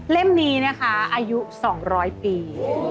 นี้นะคะอายุ๒๐๐ปี